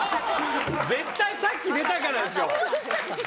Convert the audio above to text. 絶対さっき出たからでしょ。